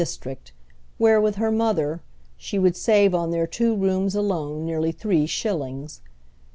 district, where, with her mother, she would save on their two rooms alone nearly three shillings.